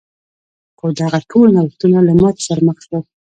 خو دغه ټول نوښتونه له ماتې سره مخ شول.